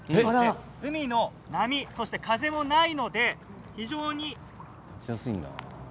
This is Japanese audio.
海の波、風もないので非常に。